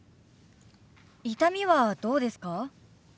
痛みはどうですか？